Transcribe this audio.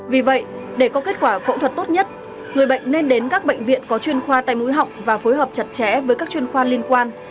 vì vậy để có kết quả phẫu thuật tốt nhất người bệnh nên đến các bệnh viện có chuyên khoa tại mũi họng và phối hợp chặt chẽ với các chuyên khoa liên quan